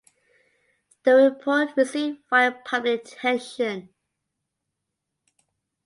The Report received wide public attention.